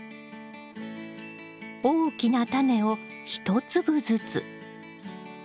大きなタネを１粒ずつ。